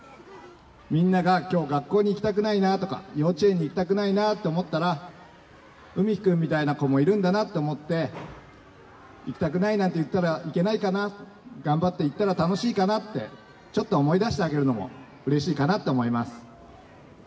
みんなが、きょう学校に行きたくないなとか幼稚園に行きたくないなと思ったら、海陽くんみたいな子もいるんだなと思って、行きたくないなんて言ったらいけないかな、頑張って行ったら楽しいかなって、ちょっと思い出してあげるのも、うれしいかなって思はーい！